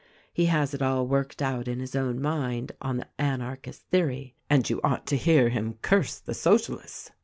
He has it all worked out in his own mind, on the anarchistic theory ; and you ought to hear him curse the Socialists.